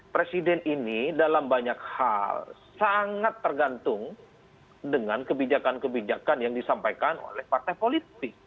presiden ini dalam banyak hal sangat tergantung dengan kebijakan kebijakan yang disampaikan oleh partai politik